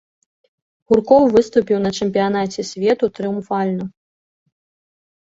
Гуркоў выступіў на чэмпіянаце свету трыумфальна.